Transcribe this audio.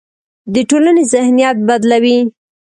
د ټولنې ذهنیت بدلوي.